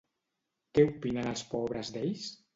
Què opinen el pobres d'ells?